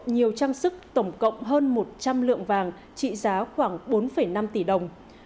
nhiều trang sức tổng cộng hơn một trăm linh lượng vàng trị giá khoảng bốn năm tỷ đồng